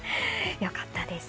良かったです。